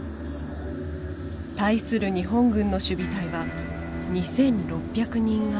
対する日本軍の守備隊は２，６００人余り。